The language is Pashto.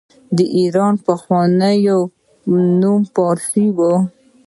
د ایران پخوانی نوم فارس و.